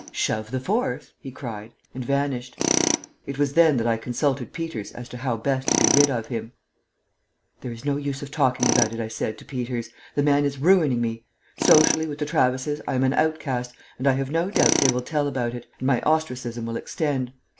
"Shove the fourth!" he cried, and vanished. It was then that I consulted Peters as to how best to be rid of him. "There is no use of talking about it," I said to Peters, "the man is ruining me. Socially with the Travises I am an outcast, and I have no doubt they will tell about it, and my ostracism will extend.